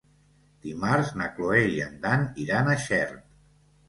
Dimarts na Cloè i en Dan iran a Xert.